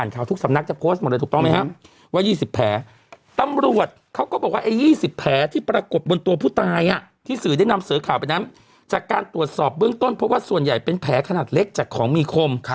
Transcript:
จากการตรวจสอบเบื้องต้นเพราะว่าส่วนใหญ่เป็นแผลขนาดเล็กจากของมีคม